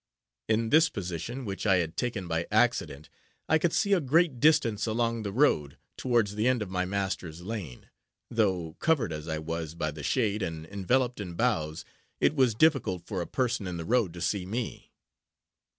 In this position, which I had taken by accident, I could see a great distance along the road, towards the end of my master's lane. Though covered as I was by the shade, and enveloped in boughs, it was difficult for a person in the road to see me.